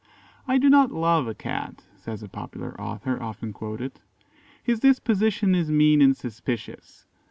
_ "I do not love a Cat," says a popular author, often quoted; "his disposition is mean and suspicious.